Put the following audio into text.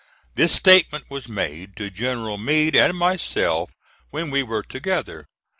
This statement was made to General Meade and myself when we were together.